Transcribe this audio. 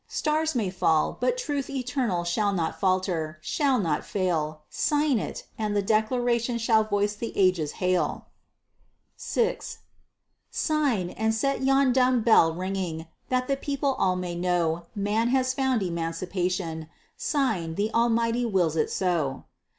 Stars may fall, but truth eternal shall not falter, shall not fail. Sign it, and the Declaration shall the voice of ages hail. VI "Sign, and set yon dumb bell ringing, that the people all may know Man has found emancipation; sign, the Almighty wills it so."